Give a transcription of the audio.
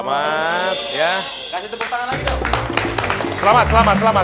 kasih tepuk tangan lagi dong